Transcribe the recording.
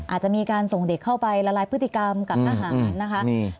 อาจจะมีการส่งเด็กเข้าไปละลายพฤติกรรมกับทหารนะคะ